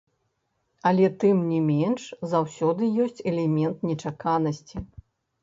Але тым не менш заўсёды ёсць элемент нечаканасці.